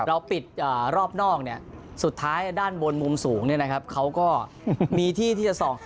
เราปิดรอบนอกเนี่ยสุดท้ายด้านบนมุมสูงเนี่ยนะครับเขาก็มีที่ที่จะส่อง